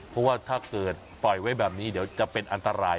เพราะว่าถ้าเกิดปล่อยไว้แบบนี้เดี๋ยวจะเป็นอันตราย